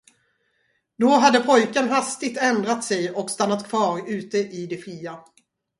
Då hade pojken hastigt ändrat sig och stannat kvar ute i det fria.